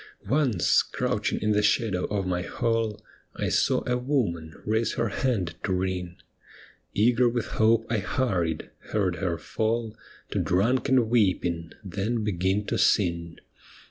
Once, crouching in the shadow of my hall I saw a woman raise her hand to ring. Eager with hope I hurried — heard her fall To drunken weeping, then begin to sing.